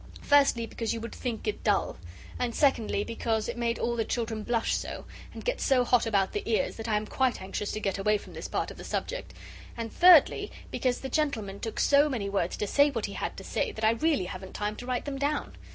First, because you would think it dull; and secondly, because it made all the children blush so, and get so hot about the ears that I am quite anxious to get away from this part of the subject; and thirdly, because the gentleman took so many words to say what he had to say that I really haven't time to write them down.